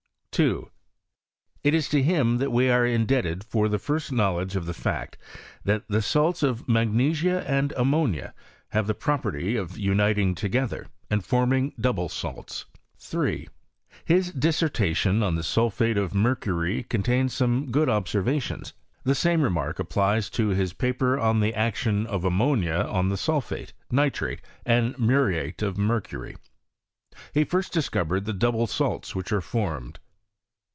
2, It is to him that we are indebted for the first knowledge of the fact, that the salts of magnesia and ammonia have the property of uniting together, and forming double salts. 3. His dissertation on the sulphate of mercury contains some good observations. The same remark applies lo his paper on the action of ammonia on the sulphate, nitrate, and muriate of mercury. He first described the double salts which are formed.